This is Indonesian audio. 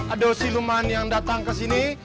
ada si luman yang datang ke sini